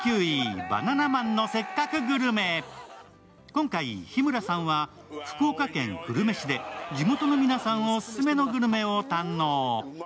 今回、日村さんは福岡県久留米市で地元の皆さんオススメのグルメを堪能。